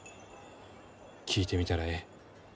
聞いてみたらえい。